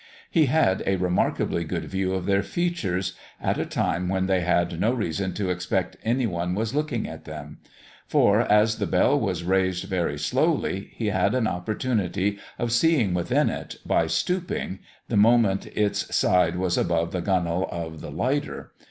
He had a remarkably good view of their features, at a time when they had no reason to expect any one was looking at them; for, as the bell was raised very slowly, he had an opportunity of seeing within it, by stooping, the moment its side was above the gunwale of the lighter.